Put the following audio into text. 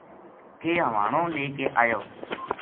کے ہوانو لے کے آیو